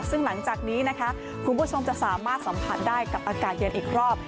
ซึ่งหลังจากนี้นะคะคุณผู้ชมจะสามารถสัมผัสได้กับอากาศเย็นอีกรอบ